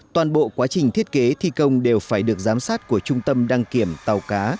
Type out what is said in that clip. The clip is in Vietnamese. toàn bộ quá trình thiết kế thi công đều phải được giám sát của trung tâm đăng kiểm tàu cá